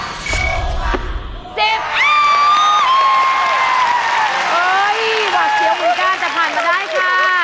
เบาะเชียวเหมือนกันจะผ่านมาได้ค่ะ